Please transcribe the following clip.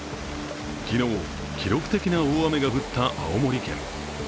昨日、記録的な大雨が降った青森県。